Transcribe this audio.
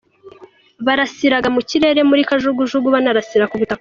Barasiraga mu kirere muri kajugujugu banarasira ku butaka.